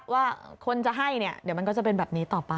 ว่าคนจะให้เนี่ยเดี๋ยวมันก็จะเป็นแบบนี้ต่อไป